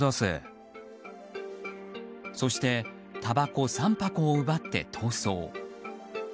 そしてたばこ３箱を奪って逃走。